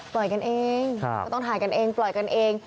ปล่อยกันเองอยากต้องถ่ายกันเองปล่อยกันเอง